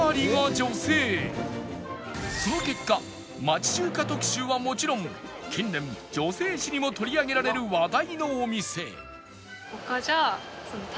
その結果町中華特集はもちろん近年女性誌にも取り上げられる話題のお店